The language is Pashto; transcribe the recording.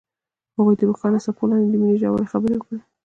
هغوی د روښانه څپو لاندې د مینې ژورې خبرې وکړې.